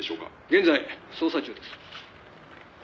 「現在捜査中です」